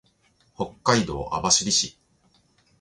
北海道網走市